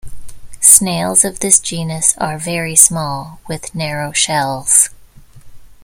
Snails of this genus are very small with narrow shells.